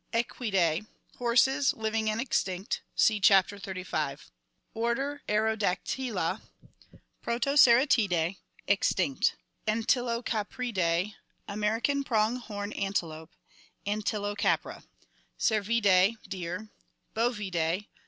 Equidae. Horses, living and extinct (see Chapter XXXV). Order Artiodactyla. Protoceratidae. Extinct. Antilocapridae. American prong horn antelope, Antilocapra. Cervidae. Deer. Bovidae.